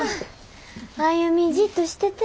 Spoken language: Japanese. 歩ジッとしてて。